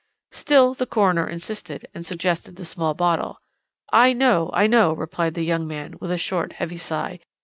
"Still the coroner insisted, and suggested the small bottle. "'I know, I know,' replied the young man, with a short, heavy sigh.